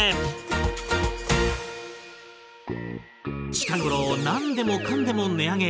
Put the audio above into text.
近頃何でもかんでも値上げ。